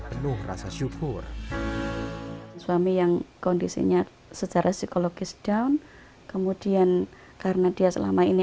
penuh rasa syukur suami yang kondisinya secara psikologis down kemudian karena dia selama ini